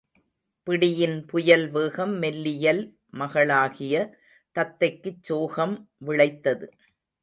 பிடியின் புயல்வேகம் மெல்லியல் மகளாகிய தத்தைக்குச் சோகம் விளைத்தது.